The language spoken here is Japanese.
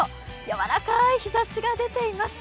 やわらかい日ざしが出ています。